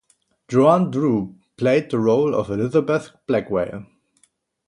Joanne Dru played the role of Elizabeth Blackwell.